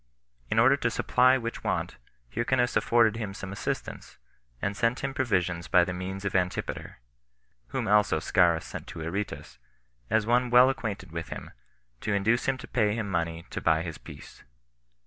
In order to supply which want, Hyrcanus afforded him some assistance, and sent him provisions by the means of Antipater; whom also Scaurus sent to Aretas, as one well acquainted with him, to induce him to pay him money to buy his peace.